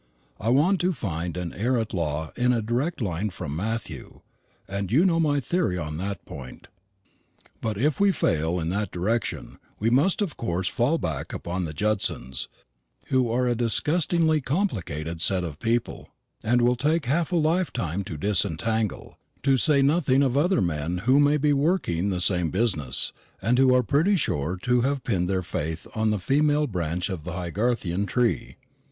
I want to find an heir at law in a direct line from Matthew; and you know my theory on that point. But if we fail in that direction, we must of course fall back upon the Judsons, who are a disgustingly complicated set of people, and will take half a lifetime to disentangle, to say nothing of other men who may be working the same business, and who are pretty sure to have pinned their faith on the female branch of the Haygarthian tree.